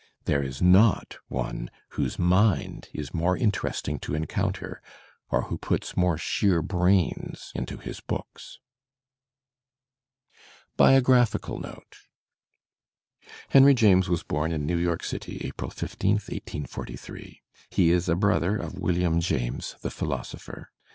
There is not one whose mind is more interesting to encounter, or who puts more sheer brains into his books. BIOGAPmCAL NOTE Henry James was bom in New York City, April 15, 1843. He is a brother of William James, the philosopher.